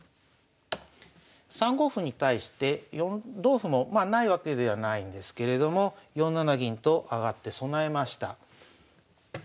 ３五歩に対して同歩もまあないわけではないんですけれども４七銀と上がって備えました。